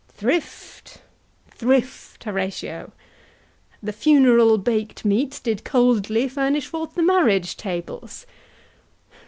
HAMLET. Thrift, thrift, Horatio! The funeral bak'd meats Did coldly furnish forth the marriage tables.